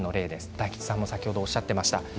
大吉さんも先ほどおっしゃっていました。